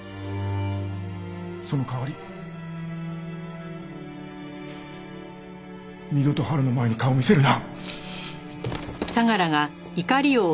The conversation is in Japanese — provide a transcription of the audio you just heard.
その代わり二度と波琉の前に顔を見せるな！